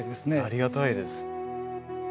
ありがたいです。